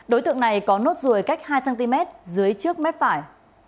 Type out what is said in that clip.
đối tượng này có nốt ruồi cách hai cm dưới trước mép phải